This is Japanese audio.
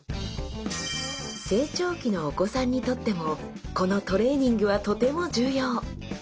成長期のお子さんにとってもこのトレーニングはとても重要。